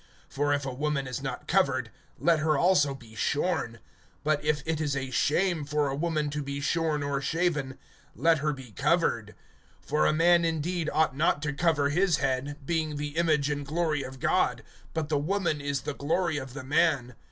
(6)For if a woman is not covered, let her also be shorn; but if it is a shame for a woman to be shorn or shaven, let her be covered. (7)For a man indeed ought not to cover his head, being the image and glory of God; but the woman is the glory of the man.